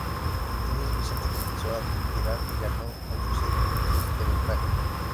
Entonces Vicente comenzó a tirar y ganó con seis minutos de ventaja.